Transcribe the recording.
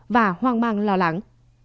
và hoang mang lo lắng